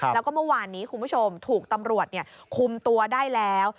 แล้วก็เมื่อวานนี้คุณผู้ชมถูกตำรวจคุมตัวได้แล้ว